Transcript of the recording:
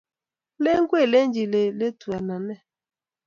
Alen kwalechin iletu anan nee?